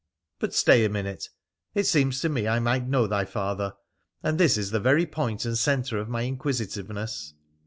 ' But stay a minute. It seems to me I might know thy father ; and this is the very point and centre of my inquisi tiveness.'